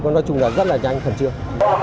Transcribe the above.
nói chung là rất là nhanh khẩn trương